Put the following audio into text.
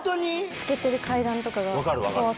透けてる階段とかが。